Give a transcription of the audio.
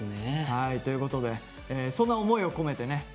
はいということでそんな思いを込めてね